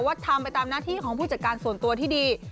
ทำไปตามหน้าที่ของผู้จัดการส่วนตัวที่ดี